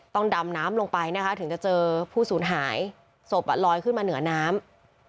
ดำน้ำลงไปนะคะถึงจะเจอผู้สูญหายศพลอยขึ้นมาเหนือน้ำ